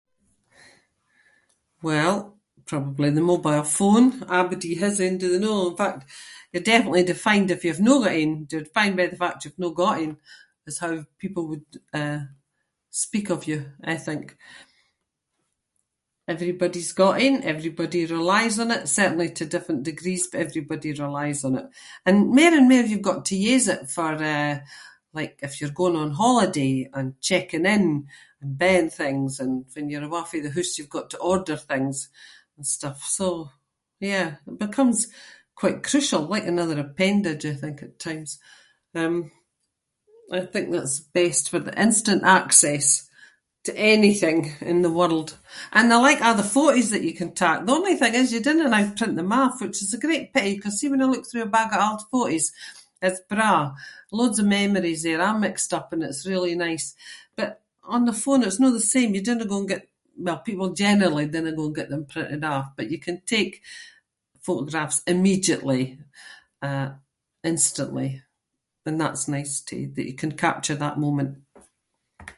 Well, probably the mobile phone. Abody has ain, do they no? In fact, you’re definitely defined if you’ve no got ain, defined of the fact you’ve no got ain is how people would, eh, speak of you, I think. Everybody’s got ain, everybody relies on it- certainly to different degrees but everybody relies on it. And mair and mair you’ve got to use it for, eh, like if you’re going on holiday and checking in and buying things and when you’re awa’ fae the hoose you’ve got to order things and stuff, so, yeah, it becomes quite crucial like another appendage, I think at times. Um, I think that’s best for the instant access to anything in the world and I like a’ the photies that you can take. The only thing is you dinna have to print them off which is a great pity ‘cause see when I look through a bag of auld photies, it’s braw. Loads of memories and they’re a’ mixed up. It’s really nice, but on the phone it’s no the same. You dinna go and get- well people generally dinna go get them printed off, but you can take photographs immediately, uh, instantly and that’s nice too that you can capture that moment.